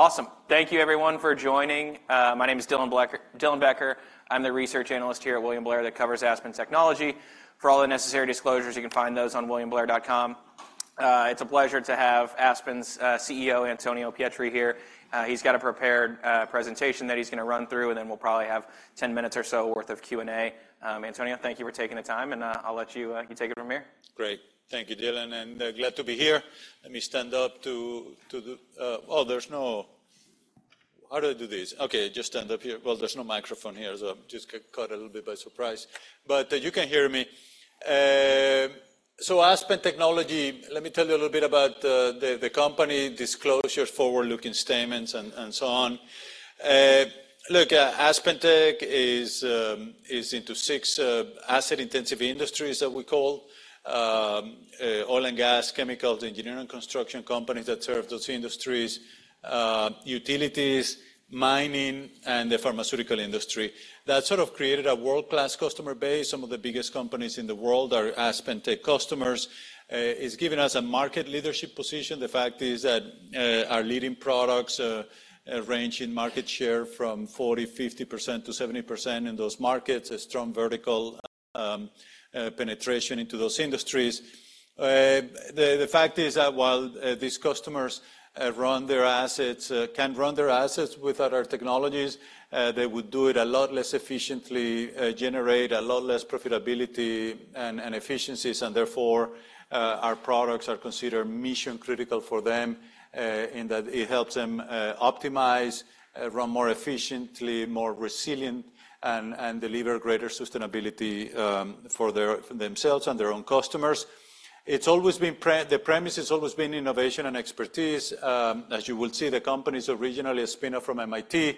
Awesome! Thank you everyone for joining. My name is Dylan Becker. I'm the research analyst here at William Blair that covers Aspen Technology. For all the necessary disclosures, you can find those on williamblair.com. It's a pleasure to have Aspen's CEO, Antonio Pietri, here. He's got a prepared presentation that he's gonna run through, and then we'll probably have 10 minutes or so worth of Q&A. Antonio, thank you for taking the time, and I'll let you take it from here. Great. Thank you, Dylan, and glad to be here. Let me stand up to the... Oh, there's no- How do I do this? Okay, just stand up here. Well, there's no microphone here, so just caught a little bit by surprise, but you can hear me. So Aspen Technology, let me tell you a little bit about the company, disclosures, forward-looking statements, and so on. Look, AspenTech is into six asset-intensive industries that we call: oil and gas, chemicals, engineering and construction companies that serve those industries, utilities, mining, and the pharmaceutical industry. That sort of created a world-class customer base. Some of the biggest companies in the world are AspenTech customers. It's given us a market leadership position. The fact is that our leading products range in market share from 40%-50% to 70% in those markets, a strong vertical penetration into those industries. The fact is that while these customers can run their assets without our technologies, they would do it a lot less efficiently, generate a lot less profitability and efficiencies, and therefore our products are considered mission-critical for them in that it helps them optimize run more efficiently, more resilient, and deliver greater sustainability for themselves and their own customers. The premise has always been innovation and expertise. As you will see, the company is originally a spin-off from MIT.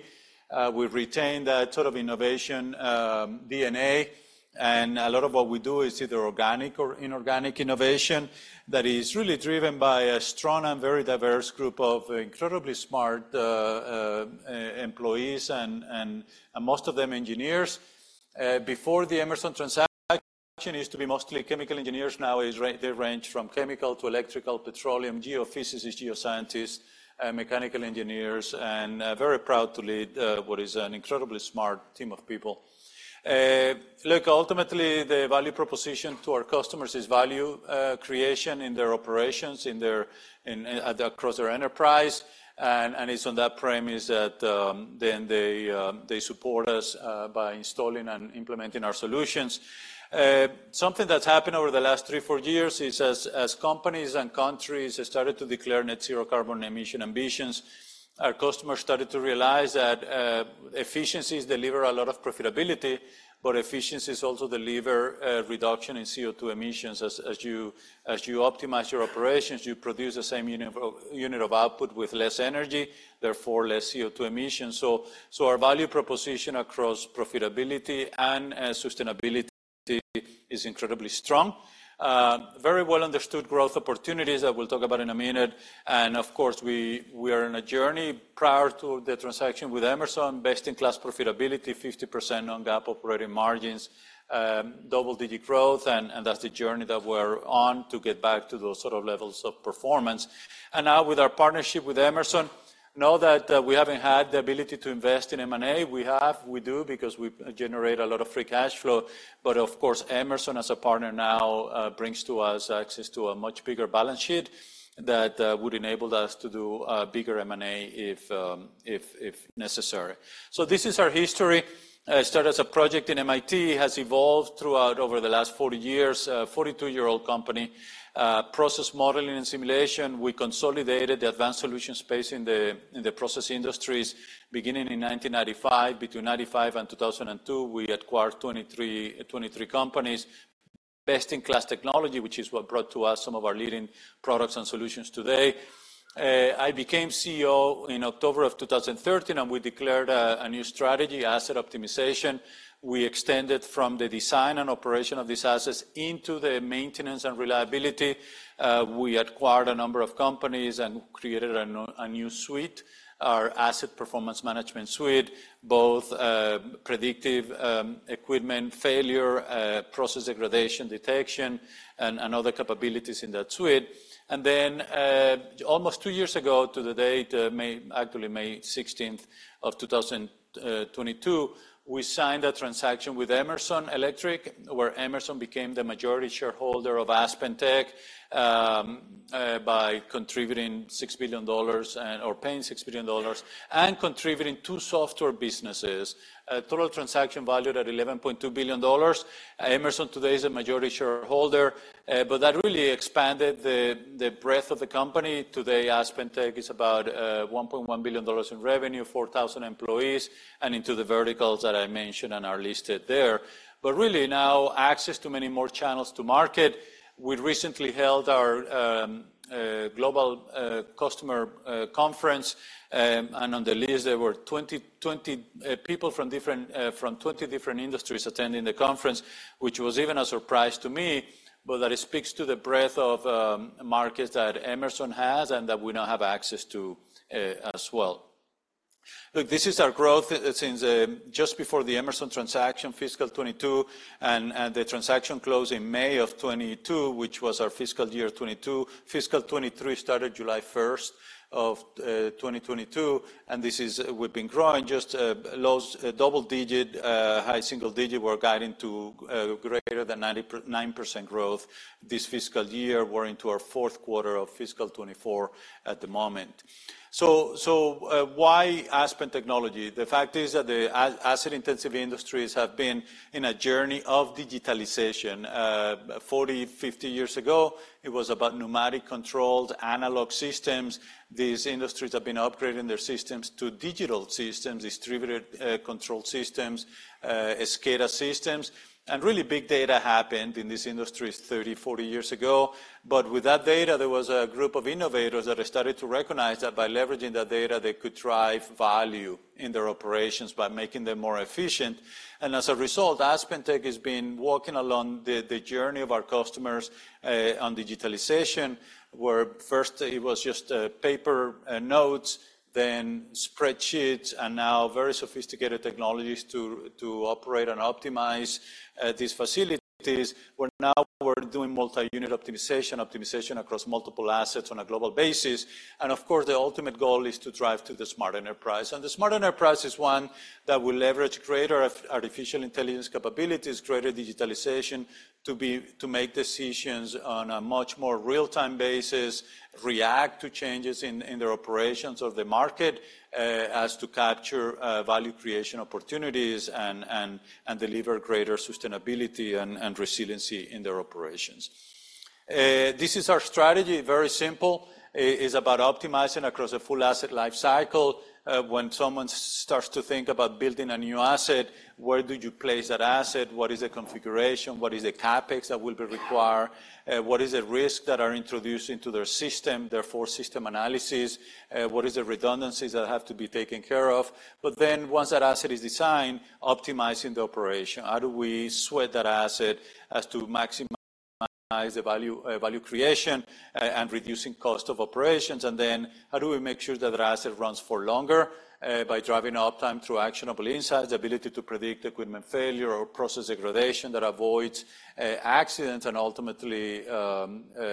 We've retained that sort of innovation DNA, and a lot of what we do is either organic or inorganic innovation that is really driven by a strong and very diverse group of incredibly smart employees and most of them engineers. Before the Emerson transaction, used to be mostly chemical engineers, now they range from chemical to electrical, petroleum, geophysicists, geoscientists, mechanical engineers, and very proud to lead what is an incredibly smart team of people. Look, ultimately, the value proposition to our customers is value creation in their operations, in their across their enterprise, and it's on that premise that then they they support us by installing and implementing our solutions. Something that's happened over the last 3-4 years is as companies and countries have started to declare net zero carbon emission ambitions, our customers started to realize that efficiencies deliver a lot of profitability, but efficiencies also deliver reduction in CO2 emissions. As you optimize your operations, you produce the same unit of output with less energy, therefore, less CO2 emissions. So our value proposition across profitability and sustainability is incredibly strong. Very well-understood growth opportunities that we'll talk about in a minute, and of course, we are on a journey prior to the transaction with Emerson, best-in-class profitability, 50% non-GAAP operating margins, double-digit growth, and that's the journey that we're on to get back to those sort of levels of performance. Now, with our partnership with Emerson, you know that we haven't had the ability to invest in M&A. We have, we do, because we generate a lot of free cash flow, but of course, Emerson, as a partner now, brings to us access to a much bigger balance sheet that would enable us to do bigger M&A if necessary. So this is our history. Started as a project in MIT, has evolved throughout over the last 40 years, a 42-year-old company, process modeling and simulation. We consolidated the advanced solution space in the process industries beginning in 1995. Between 1995 and 2002, we acquired 23, 23 companies. Best-in-class technology, which is what brought to us some of our leading products and solutions today. I became CEO in October of 2013, and we declared a new strategy, asset optimization. We extended from the design and operation of these assets into the maintenance and reliability. We acquired a number of companies and created a new suite, our Asset Performance Management suite, both predictive equipment failure, process degradation detection, and other capabilities in that suite. And then, almost two years ago, to the date, May, actually May 16th of 2022, we signed a transaction with Emerson Electric, where Emerson became the majority shareholder of AspenTech, by contributing $6 billion and, or paying $6 billion, and contributing two software businesses. Total transaction valued at $11.2 billion. Emerson today is a majority shareholder, but that really expanded the breadth of the company. Today, AspenTech is about $1.1 billion in revenue, 4,000 employees, and into the verticals that I mentioned and are listed there. But really, now access to many more channels to market. We recently held our global customer conference, and on the list, there were 2,000 people from 20 different industries attending the conference, which was even a surprise to me. But that speaks to the breadth of markets that Emerson has and that we now have access to as well. Look, this is our growth since just before the Emerson transaction, fiscal 2022, and the transaction closed in May 2022, which was our fiscal year 2022. Fiscal 2023 started July 1st, 2022, and we've been growing just low double-digit, high single-digit. We're guiding to greater than 99% growth this fiscal year. We're into our fourth quarter of fiscal 2024 at the moment. So, why Aspen Technology? The fact is that the asset-intensive industries have been in a journey of digitalization. Forty, fifty years ago, it was about pneumatic-controlled analog systems. These industries have been upgrading their systems to digital systems, distributed controlled systems, SCADA systems, and really, big data happened in these industries 30, 40 years ago. But with that data, there was a group of innovators that started to recognize that by leveraging that data, they could drive value in their operations by making them more efficient. As a result, AspenTech has been walking along the journey of our customers on digitalization, where first it was just paper notes, then spreadsheets, and now very sophisticated technologies to operate and optimize these facilities, where now we're doing multi-unit optimization, optimization across multiple assets on a global basis. And of course, the ultimate goal is to drive to the smart enterprise. And the smart enterprise is one that will leverage greater artificial intelligence capabilities, greater digitalization, to make decisions on a much more real-time basis, react to changes in the operations of the market as to capture value creation opportunities and deliver greater sustainability and resiliency in their operations. This is our strategy, very simple. It is about optimizing across a full asset life cycle. When someone starts to think about building a new asset, where do you place that asset? What is the configuration? What is the CapEx that will be required? What is the risk that are introduced into their system, therefore, system analysis? What is the redundancies that have to be taken care of? But then, once that asset is designed, optimizing the operation, how do we sweat that asset as to maximize the value, value creation, and reducing cost of operations? And then, how do we make sure that that asset runs for longer, by driving uptime through actionable insights, the ability to predict equipment failure or process degradation that avoids accidents and ultimately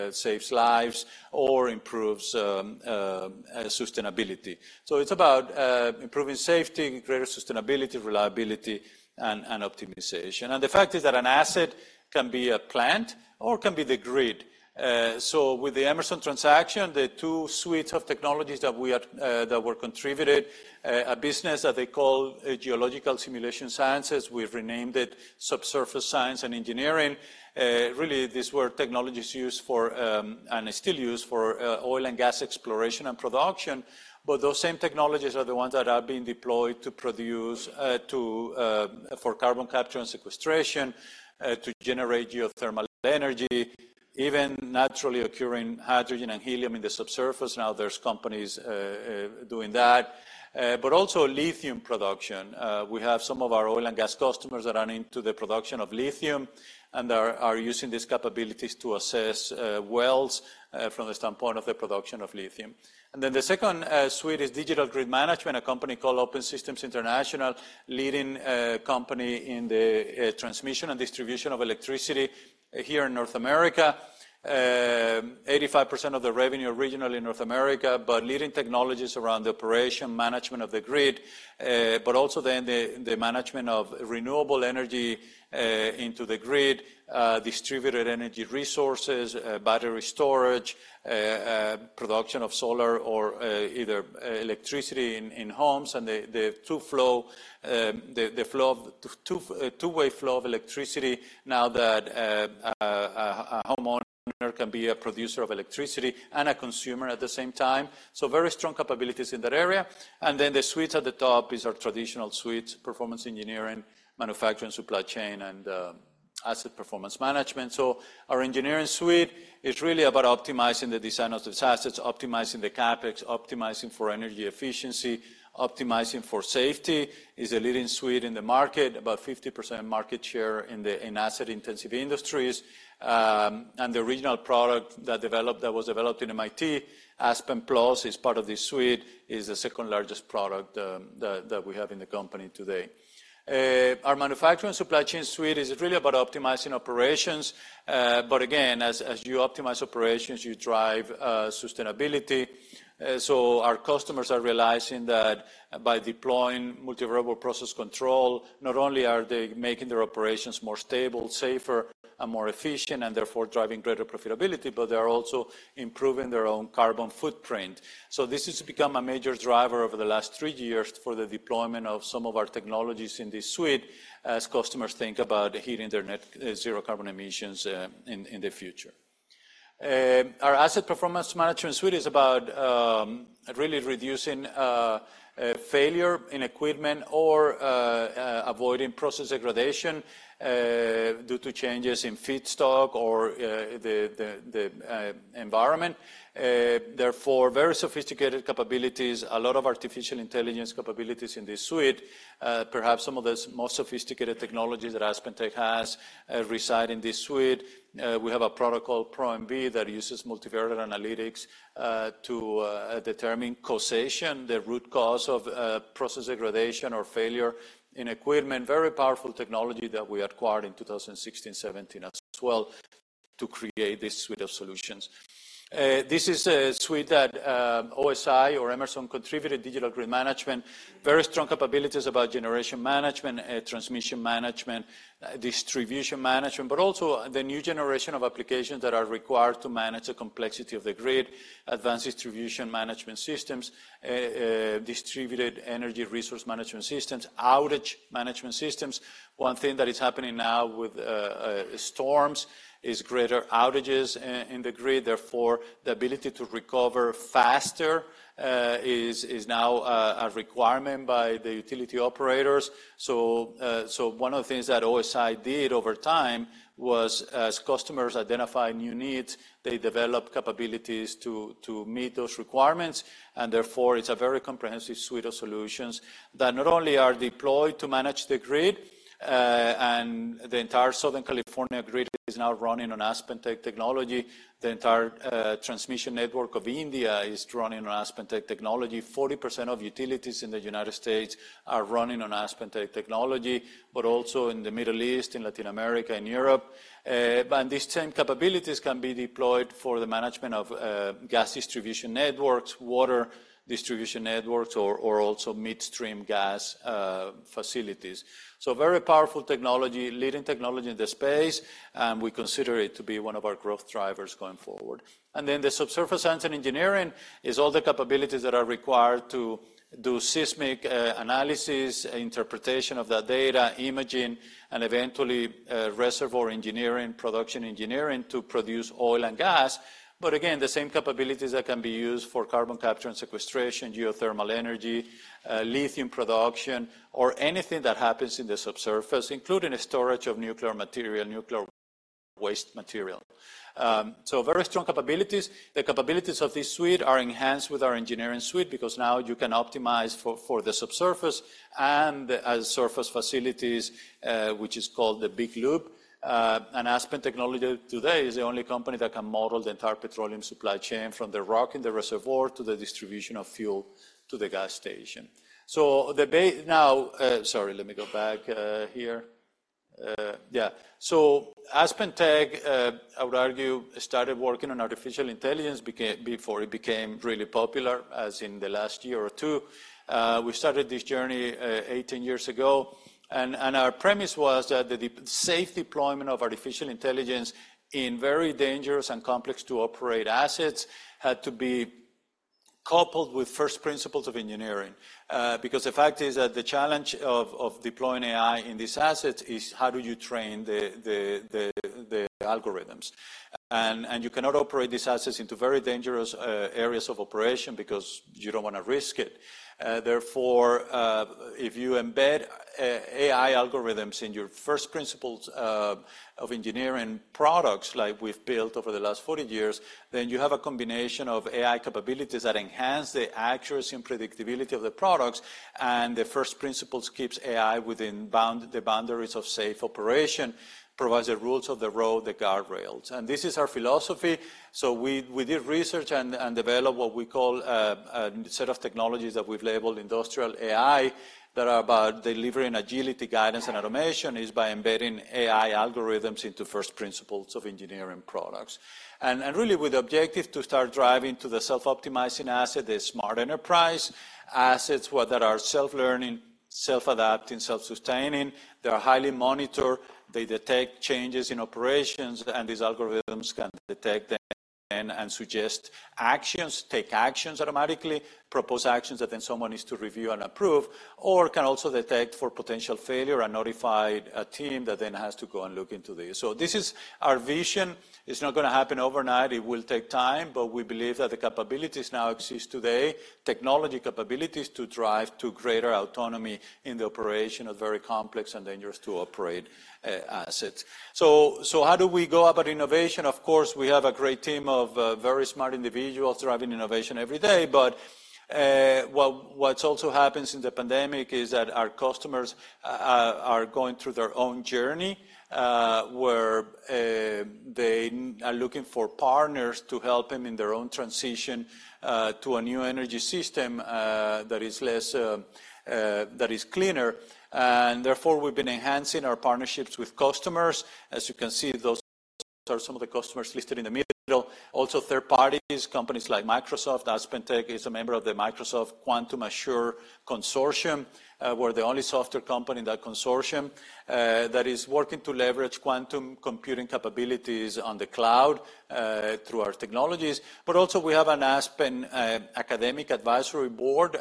saves lives or improves sustainability. So it's about improving safety, greater sustainability, reliability, and optimization. And the fact is that an asset can be a plant or can be the grid. So with the Emerson transaction, the two suites of technologies that were contributed, a business that they call Geological Simulation Sciences. We've renamed it Subsurface Science and Engineering. Really, these were technologies used for, and still used for, oil and gas exploration and production. But those same technologies are the ones that are being deployed to produce for carbon capture and sequestration, to generate geothermal energy, even naturally occurring hydrogen and helium in the subsurface. Now, there's companies doing that, but also lithium production. We have some of our oil and gas customers that are into the production of lithium and are using these capabilities to assess wells from the standpoint of the production of lithium. And then the second suite is digital grid management, a company called Open Systems International, leading company in the transmission and distribution of electricity here in North America. 85% of the revenue originally in North America, but leading technologies around the operation, management of the grid, but also then the management of renewable energy into the grid, distributed energy resources, battery storage, production of solar or either electricity in homes and the two-way flow of electricity now that a homeowner can be a producer of electricity and a consumer at the same time. So very strong capabilities in that area. And then the suites at the top is our traditional suites, Performance Engineering, Manufacturing, Supply Chain, and Asset Performance Management. So our Engineering suite is really about optimizing the design of those assets, optimizing the CapEx, optimizing for energy efficiency, optimizing for safety. It's a leading suite in the market, about 50% market share in the, in asset-intensive industries. And the original product that was developed in MIT, Aspen Plus, is part of this suite, is the second-largest product, that we have in the company today. Our Manufacturing and Supply Chain suite is really about optimizing operations, but again, as you optimize operations, you drive sustainability. So our customers are realizing that by deploying multivariable process control, not only are they making their operations more stable, safer, and more efficient, and therefore driving greater profitability, but they are also improving their own carbon footprint. So this has become a major driver over the last three years for the deployment of some of our technologies in this suite, as customers think about hitting their net zero carbon emissions, in the future. Our asset performance management suite is about really reducing failure in equipment or avoiding process degradation due to changes in feedstock or the environment. Therefore, very sophisticated capabilities, a lot of artificial intelligence capabilities in this suite. Perhaps some of the most sophisticated technologies that AspenTech has reside in this suite. We have a product called ProMV that uses multivariate analytics to determine causation, the root cause of process degradation or failure in equipment. Very powerful technology that we acquired in 2016, 2017 as well, to create this suite of solutions.... This is a suite that OSI or Emerson contributed, Digital Grid Management. Very strong capabilities about generation management, transmission management, distribution management, but also the new generation of applications that are required to manage the complexity of the grid, Advanced Distribution Management Systems, Distributed Energy Resource Management Systems, Outage Management Systems. One thing that is happening now with storms is greater outages in the grid, therefore, the ability to recover faster is now a requirement by the utility operators. So, one of the things that OSI did over time was, as customers identified new needs, they developed capabilities to meet those requirements, and therefore, it's a very comprehensive suite of solutions that not only are deployed to manage the grid, and the entire Southern California grid is now running on AspenTech technology. The entire transmission network of India is running on AspenTech technology. 40% of utilities in the United States are running on AspenTech technology, but also in the Middle East, in Latin America, and Europe. But these same capabilities can be deployed for the management of gas distribution networks, water distribution networks, or also midstream gas facilities. So very powerful technology, leading technology in the space, and we consider it to be one of our growth drivers going forward. And then the subsurface science and engineering is all the capabilities that are required to do seismic analysis, interpretation of that data, imaging, and eventually reservoir engineering, production engineering to produce oil and gas. But again, the same capabilities that can be used for carbon capture and sequestration, geothermal energy, lithium production, or anything that happens in the subsurface, including the storage of nuclear material, nuclear waste material. So very strong capabilities. The capabilities of this suite are enhanced with our engineering suite because now you can optimize for the subsurface and above-surface facilities, which is called the Big Loop. Aspen Technology today is the only company that can model the entire petroleum supply chain, from the rock in the reservoir to the distribution of fuel to the gas station. So AspenTech, I would argue, started working on artificial intelligence before it became really popular, as in the last year or two. We started this journey 18 years ago, and our premise was that safe deployment of artificial intelligence in very dangerous and complex-to-operate assets had to be coupled with first principles of engineering. Because the fact is that the challenge of deploying AI in these assets is: how do you train the algorithms? And you cannot operate these assets into very dangerous areas of operation because you don't wanna risk it. Therefore, if you embed AI algorithms in your first principles of engineering products, like we've built over the last 40 years, then you have a combination of AI capabilities that enhance the accuracy and predictability of the products, and the first principles keeps AI within bound-- the boundaries of safe operation, provides the rules of the road, the guardrails. And this is our philosophy. So we did research and developed what we call a set of technologies that we've labeled Industrial AI that are about delivering agility, guidance, and automation by embedding AI algorithms into first principles of engineering products. And really, with the objective to start driving to the self-optimizing asset, the Smart enterprise. Assets that are self-learning, self-adapting, self-sustaining. They are highly monitored. They detect changes in operations, and these algorithms can detect them and suggest actions, take actions automatically, propose actions that then someone needs to review and approve, or can also detect for potential failure and notify a team that then has to go and look into this. So this is our vision. It's not gonna happen overnight. It will take time, but we believe that the capabilities now exist today, technology capabilities to drive to greater autonomy in the operation of very complex and dangerous-to-operate assets. So how do we go about innovation? Of course, we have a great team of very smart individuals driving innovation every day, but well, what's also happens in the pandemic is that our customers are going through their own journey, where they are looking for partners to help them in their own transition to a new energy system that is less that is cleaner. And therefore, we've been enhancing our partnerships with customers. As you can see, those are some of the customers listed in the middle. Also, third parties, companies like Microsoft. AspenTech is a member of the Microsoft Azure Quantum Consortium. We're the only software company in that consortium that is working to leverage quantum computing capabilities on the cloud through our technologies. But also we have an Aspen Academic Advisory Board,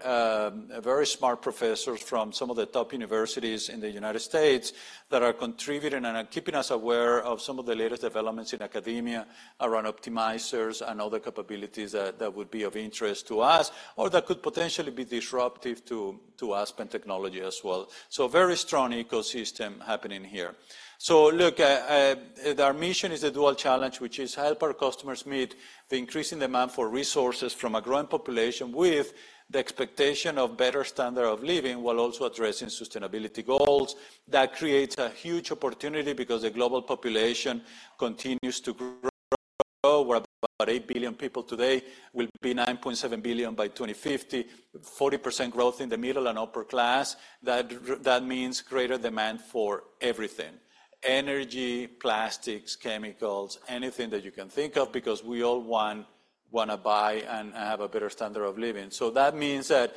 very smart professors from some of the top universities in the United States that are contributing and are keeping us aware of some of the latest developments in academia around optimizers and other capabilities that would be of interest to us or that could potentially be disruptive to Aspen Technology as well. So a very strong ecosystem happening here. So look, our mission is a dual challenge, which is help our customers meet the increasing demand for resources from a growing population with the expectation of better standard of living, while also addressing sustainability goals. That creates a huge opportunity because the global population continues to grow, where about 8 billion people today will be 9.7 billion by 2050. 40% growth in the middle and upper class, that that means greater demand for everything: energy, plastics, chemicals, anything that you can think of, because we all wanna buy and, and have a better standard of living. So that means that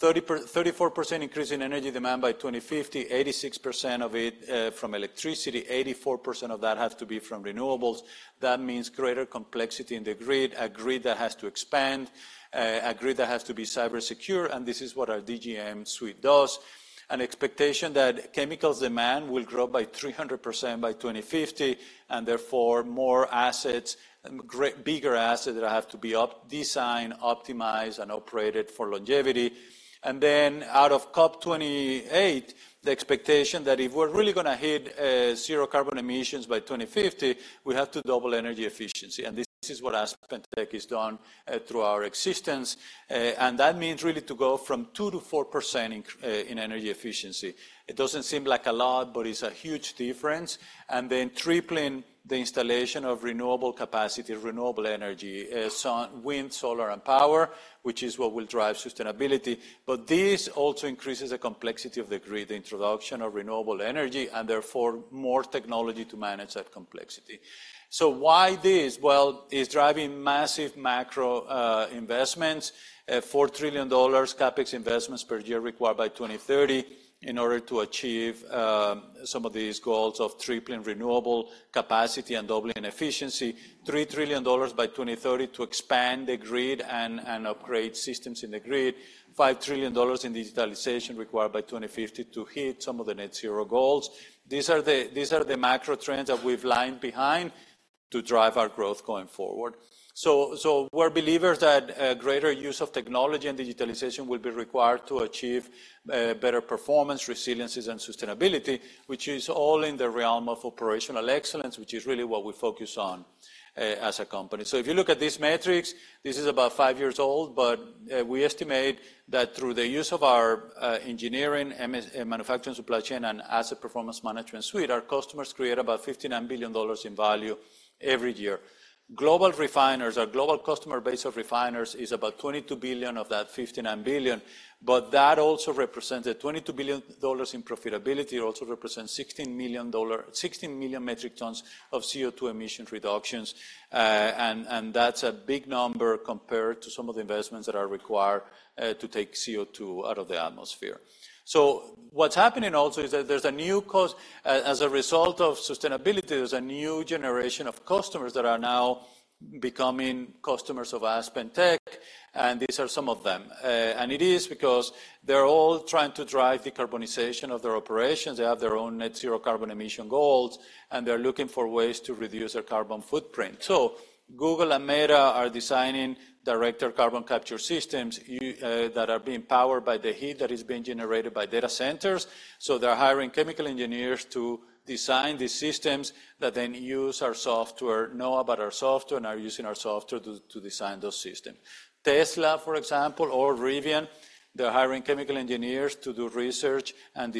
34% increase in energy demand by 2050, 86% of it from electricity, 84% of that has to be from renewables. That means greater complexity in the grid, a grid that has to expand, a grid that has to be cyber secure, and this is what our DGM suite does. An expectation that chemicals demand will grow by 300% by 2050, and therefore, more assets, and greater, bigger assets that have to be up, designed, optimized, and operated for longevity. Then out of COP 28, the expectation that if we're really gonna hit 0 carbon emissions by 2050, we have to double energy efficiency, and this is what AspenTech has done through our existence. And that means really to go from 2%-4% in energy efficiency. It doesn't seem like a lot, but it's a huge difference, and then tripling the installation of renewable capacity, renewable energy, sun, wind, solar, and power, which is what will drive sustainability. But this also increases the complexity of the grid, introduction of renewable energy, and therefore more technology to manage that complexity. So why this? Well, it's driving massive macro investments. Four trillion dollars CapEx investments per year required by 2030, in order to achieve some of these goals of tripling renewable capacity and doubling efficiency. Three trillion dollars by 2030 to expand the grid and upgrade systems in the grid. Five trillion dollars in digitalization required by 2050 to hit some of the net zero goals. These are the, these are the macro trends that we've lined behind to drive our growth going forward. So we're believers that greater use of technology and digitalization will be required to achieve better performance, resiliencies, and sustainability, which is all in the realm of operational excellence, which is really what we focus on as a company. So if you look at these metrics, this is about five years old, but we estimate that through the use of our engineering, manufacturing, supply chain, and asset performance management suite, our customers create about $59 billion in value every year. Global refiners, our global customer base of refiners is about $22 billion of that $59 billion, but that also represents $22 billion in profitability. It also represents 16 million metric tons of CO2 emission reductions. And that's a big number compared to some of the investments that are required to take CO2 out of the atmosphere. So what's happening also is that there's a new cost as a result of sustainability, there's a new generation of customers that are now becoming customers of AspenTech, and these are some of them. It is because they're all trying to drive decarbonization of their operations. They have their own Net Zero carbon emission goals, and they're looking for ways to reduce their carbon footprint. So Google and Meta are designing direct air capture systems that are being powered by the heat that is being generated by data centers. So they're hiring chemical engineers to design these systems that then use our software, know about our software, and are using our software to design those systems. Tesla, for example, or Rivian, they're hiring chemical engineers to do research and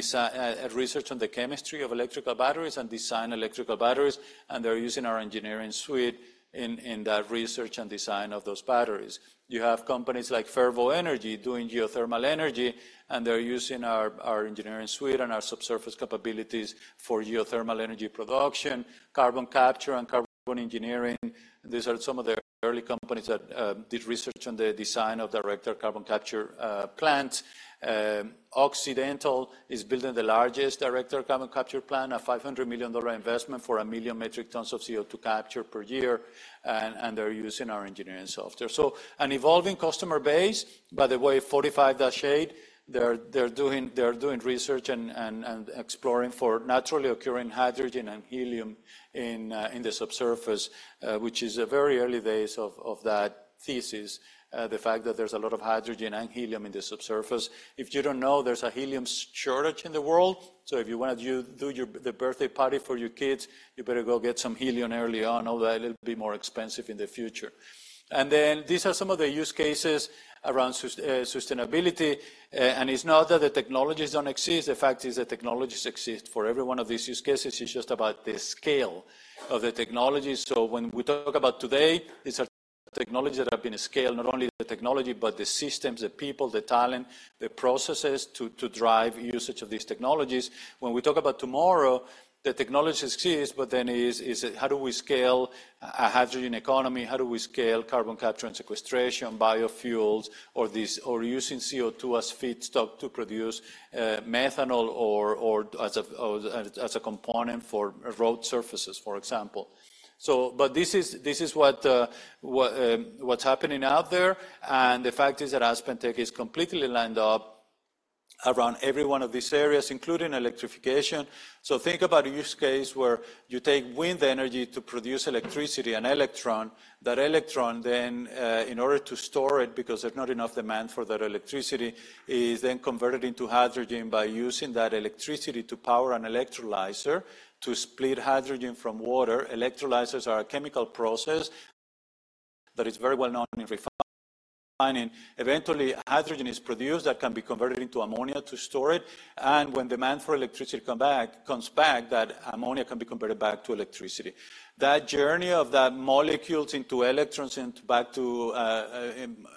research on the chemistry of electrical batteries and design electrical batteries, and they're using our engineering suite in that research and design of those batteries. You have companies like Fervo Energy doing geothermal energy, and they're using our engineering suite and our subsurface capabilities for geothermal energy production, carbon capture, and Carbon Engineering. These are some of the early companies that did research on the design of direct air capture plants. Occidental is building the largest direct air capture plant, a $500 million investment for 1 million metric tons of CO2 capture per year, and they're using our engineering software. So an evolving customer base, by the way, 45-8 Energy, they're doing research and exploring for naturally occurring hydrogen and helium in the subsurface, which is a very early days of that thesis, the fact that there's a lot of hydrogen and helium in the subsurface. If you don't know, there's a helium shortage in the world, so if you wanna do your birthday party for your kids, you better go get some helium early on, although it'll be more expensive in the future. And then these are some of the use cases around sustainability, and it's not that the technologies don't exist, the fact is that technologies exist for every one of these use cases. It's just about the scale of the technology. So when we talk about today, these are technologies that have been scaled, not only the technology, but the systems, the people, the talent, the processes to drive usage of these technologies. When we talk about tomorrow, the technology exists, but then is how do we scale a hydrogen economy? How do we scale carbon capture and sequestration, biofuels, or this, or using CO2 as feedstock to produce methanol or as a component for road surfaces, for example? So but this is what's happening out there, and the fact is that AspenTech is completely lined up around every one of these areas, including electrification. So think about a use case where you take wind energy to produce electricity and electron. That electron then, in order to store it, because there's not enough demand for that electricity, is then converted into hydrogen by using that electricity to power an electrolyzer to split hydrogen from water. Electrolyzers are a chemical process that is very well known in refining. Eventually, hydrogen is produced that can be converted into ammonia to store it, and when demand for electricity comes back, that ammonia can be converted back to electricity. That journey of that molecules into electrons and back to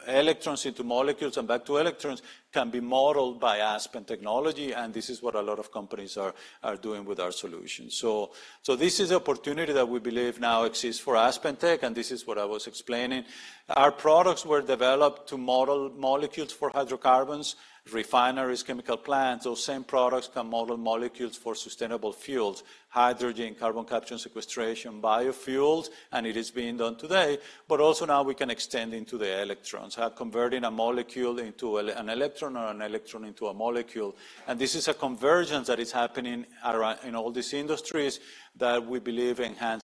electrons into molecules and back to electrons can be modeled by Aspen Technology, and this is what a lot of companies are doing with our solution. So this is an opportunity that we believe now exists for AspenTech, and this is what I was explaining. Our products were developed to model molecules for hydrocarbons, refineries, chemical plants. Those same products can model molecules for sustainable fuels, hydrogen, carbon capture and sequestration, biofuels, and it is being done today. But also now we can extend into the electrons. Converting a molecule into an electron or an electron into a molecule. And this is a convergence that is happening around, in all these industries, that we believe enhances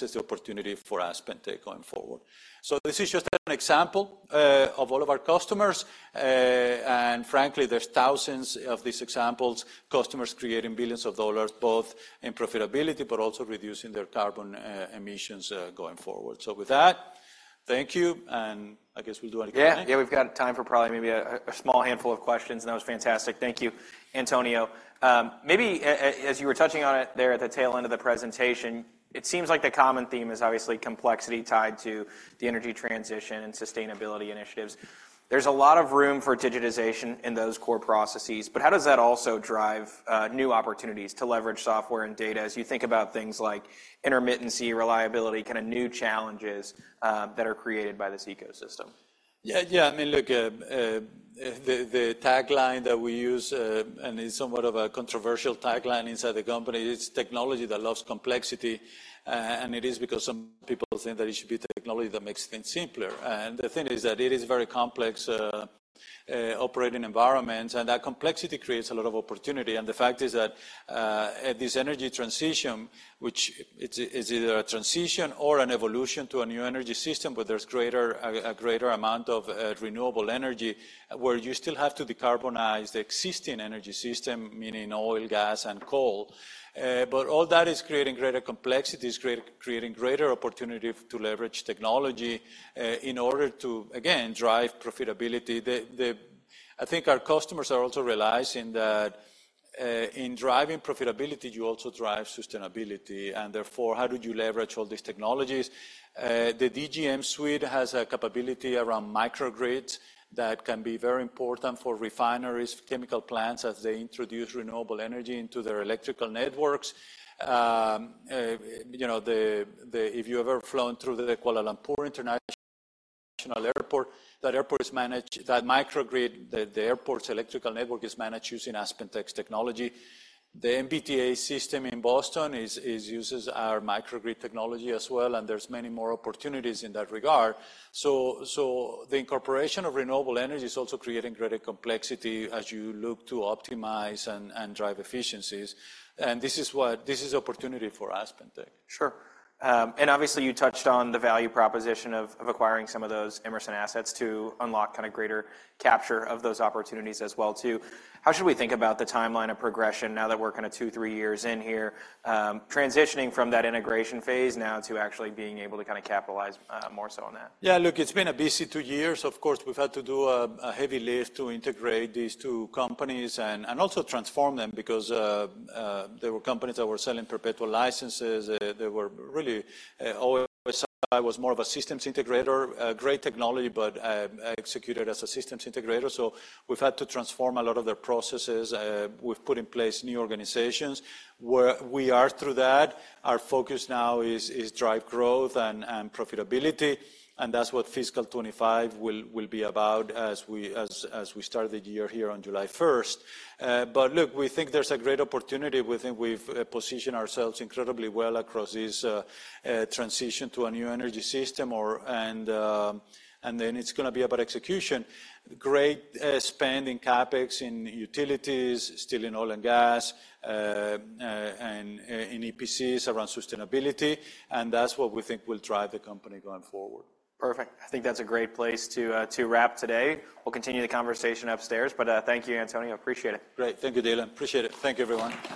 the opportunity for AspenTech going forward. So this is just an example, of all of our customers. And frankly, there's thousands of these examples, customers creating billions of dollars, both in profitability but also reducing their carbon, emissions, going forward. So with that, thank you, and I guess we'll do anything? Yeah. Yeah, we've got time for probably a small handful of questions, and that was fantastic. Thank you, Antonio. As you were touching on it there at the tail end of the presentation, it seems like the common theme is obviously complexity tied to the energy transition and sustainability initiatives. There's a lot of room for digitization in those core processes, but how does that also drive new opportunities to leverage software and data as you think about things like intermittency, reliability, kinda new challenges that are created by this ecosystem? Yeah, yeah. I mean, look, the tagline that we use, and it's somewhat of a controversial tagline inside the company, it's technology that loves complexity. And it is because some people think that it should be technology that makes things simpler. And the thing is that it is very complex operating environment, and that complexity creates a lot of opportunity. And the fact is that this energy transition, which is either a transition or an evolution to a new energy system, but there's a greater amount of renewable energy, where you still have to decarbonize the existing energy system, meaning oil, gas, and coal. But all that is creating greater complexities, creating greater opportunity to leverage technology in order to, again, drive profitability. The... I think our customers are also realizing that, in driving profitability, you also drive sustainability, and therefore, how do you leverage all these technologies? The DGM suite has a capability around microgrids that can be very important for refineries, chemical plants, as they introduce renewable energy into their electrical networks. You know, if you've ever flown through the Kuala Lumpur International Airport, that airport is managed, that microgrid, the airport's electrical network is managed using AspenTech's technology. The MBTA system in Boston uses our microgrid technology as well, and there's many more opportunities in that regard. So the incorporation of renewable energy is also creating greater complexity as you look to optimize and drive efficiencies. And this is what, this is opportunity for AspenTech. Sure. And obviously, you touched on the value proposition of, of acquiring some of those Emerson assets to unlock kinda greater capture of those opportunities as well, too. How should we think about the timeline of progression now that we're kinda 2, 3 years in here, transitioning from that integration phase now to actually being able to kinda capitalize, more so on that? Yeah, look, it's been a busy two years. Of course, we've had to do a heavy lift to integrate these two companies and also transform them because they were companies that were selling perpetual licenses. They were really OSI was more of a systems integrator. Great technology, but executed as a systems integrator. So we've had to transform a lot of their processes. We've put in place new organizations. We are through that. Our focus now is drive growth and profitability, and that's what fiscal 25 will be about as we start the year here on July first. But look, we think there's a great opportunity. We think we've positioned ourselves incredibly well across this transition to a new energy system or... Then it's gonna be about execution. Great spend in CapEx, in utilities, still in oil and gas, and in EPCs around sustainability, and that's what we think will drive the company going forward. Perfect. I think that's a great place to, to wrap today. We'll continue the conversation upstairs, but, thank you, Antonio. Appreciate it. Great. Thank you, Dylan. Appreciate it. Thank you, everyone.